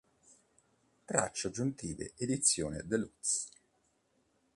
Tracce aggiuntive edizione deluxe